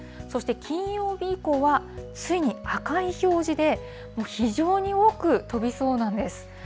そして金曜日以降は、ついに赤い表示で、もう非常に多く飛びそうなんです。